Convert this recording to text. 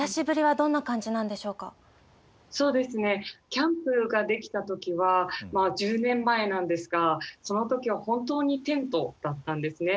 キャンプが出来た時はまあ１０年前なんですがその時は本当にテントだったんですね。